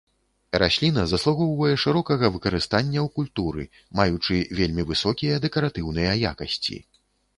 Расліна заслугоўвае шырокага выкарыстання ў культуры, маючы вельмі высокія дэкаратыўныя якасці.